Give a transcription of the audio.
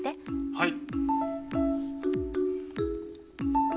はい。